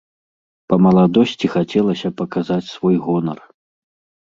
Па маладосці хацелася паказаць свой гонар.